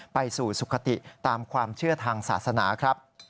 ไปสู่สุขติตามความเชื่อทางศาสนาครับ